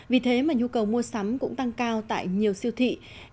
vì thế mà nhu cầu mua sắm cũng tăng cao tại nhiều siêu thị